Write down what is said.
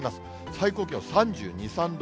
最高気温３２、３度。